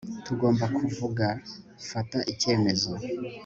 Tugomba kuvuga mfata icyemezo